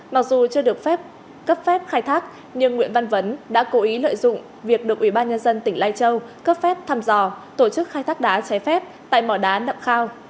mặc dù chưa được phép cấp phép khai thác nhưng nguyễn văn vấn đã cố ý lợi dụng việc được ủy ban nhân dân tỉnh lai châu cấp phép thăm dò tổ chức khai thác đá trái phép tại mỏ đá nậm khao